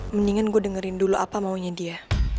mendingan gue dengerin dulu apa maunya dia